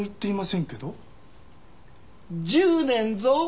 １０年ぞ。